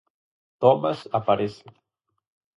Tomas aparece.